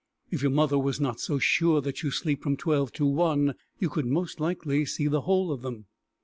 If your mother was not so sure that you sleep from twelve to one, you could most likely see the whole of them.